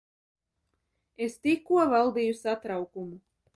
Es tikko valdīju satraukumu.